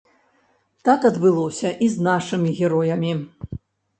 Так адбылося і з нашымі героямі.